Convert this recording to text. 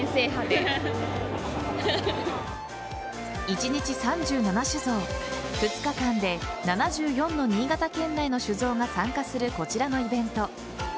一日３７酒造２日間で７４の新潟県内の酒造が参加するこちらのイベント。